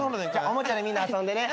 おもちゃでみんな遊んでね。